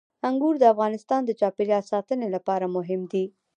انګور د افغانستان د چاپیریال ساتنې لپاره مهم دي.